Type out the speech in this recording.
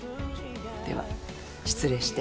では失礼して。